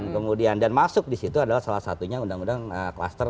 kemudian dan masuk di situ adalah salah satunya undang undang klaster